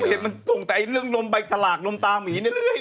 ก็คุณเห็นมันตรงแต่เรื่องนมใบตลากนมตามีเนี่ย